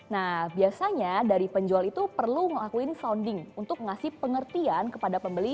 nah biasanya dari penjual itu perlu ngelakuin sounding untuk ngasih pengertian kepada pembeli